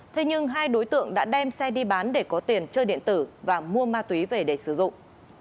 thế nhưng hai đối tượng đã đem xe đi bán để có tiền chơi điện tử và mua ma túy về để sử dụng